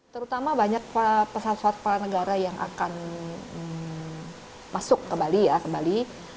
terutama banyak pesawat pesawat para negara yang akan masuk ke bali